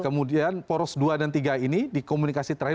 kemudian poros dua dan tiga ini dikomunikasi terakhir